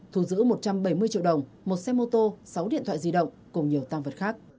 thu giữ một trăm bảy mươi triệu đồng một xe mô tô sáu điện thoại di động cùng nhiều tăng vật khác